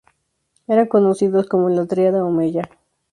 Eran conocidos como "la Tríada Omeya".